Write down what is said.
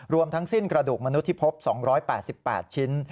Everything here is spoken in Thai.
ทั้งสิ้นกระดูกมนุษย์ที่พบ๒๘๘ชิ้น